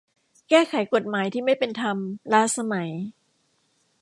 แก้ไขกฎหมายที่ไม่เป็นธรรม ล้าสมัย